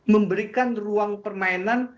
memberikan ruang permainan